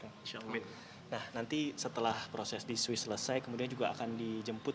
nah nanti setelah proses di swiss selesai kemudian juga akan dijemput